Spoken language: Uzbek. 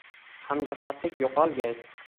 Hamjihatlik yo’qolgay.